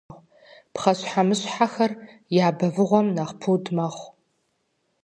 Пхъэщхьэмыщхьэхэр я бэвыгъуэм нэхъ пуд мэхъу.